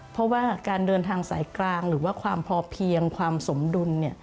เพราะว่าการเดินทางสายกลางหรือว่าความพอเพียงความสมดุล